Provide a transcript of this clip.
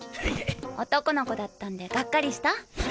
男の子だったんでがっかりした？